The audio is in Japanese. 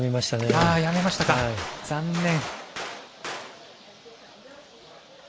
やめました、残念。